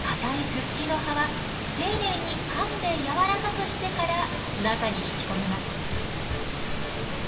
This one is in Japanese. ススキの葉は丁寧にかんで柔らかくしてから中に引き込みます。